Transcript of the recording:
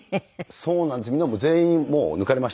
そうなんですね。